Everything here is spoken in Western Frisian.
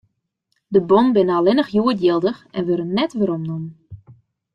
De bonnen binne allinnich hjoed jildich en wurde net weromnommen.